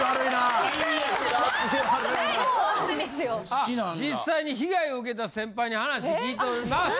あ実際に被害を受けた先輩に話聞いております！